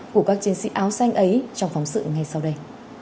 của các chiến sĩ áo xanh ấy trong phóng sự ngay sau đây